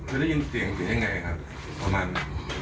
คุณได้ยินเสียงเสียงยังไงครับประมาณนั้น